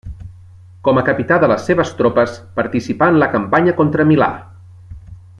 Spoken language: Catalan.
Com a capità de les seves tropes, participa en la campanya contra Milà.